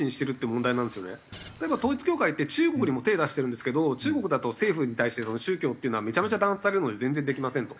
例えば統一教会って中国にも手出してるんですけど中国だと政府に対しての宗教っていうのはめちゃめちゃ弾圧されるので全然できませんと。